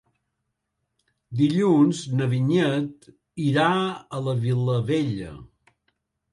Dilluns na Vinyet irà a la Vilavella.